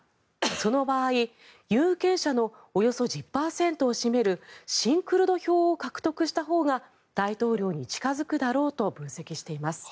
その場合有権者のおよそ１０％を占める親クルド票を獲得したほうが大統領に近付くだろうと分析しています。